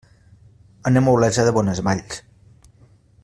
Anem a Olesa de Bonesvalls.